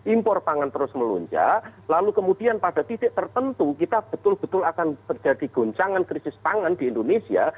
impor pangan terus melonjak lalu kemudian pada titik tertentu kita betul betul akan terjadi goncangan krisis pangan di indonesia